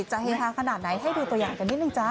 เฮฮาขนาดไหนให้ดูตัวอย่างกันนิดนึงจ๊